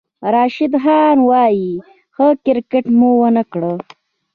راشد خان وايي، "ښه کرېکټ مو ونه کړ"